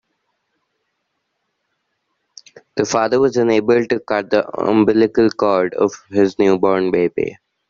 The father was unable to cut the umbilical cord of his newborn baby.